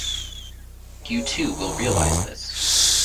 You too will realise this.